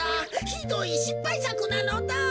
ひどいしっぱいさくなのだ！